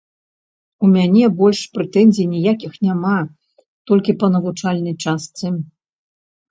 У мяне больш прэтэнзій ніякіх няма, толькі па навучальнай частцы.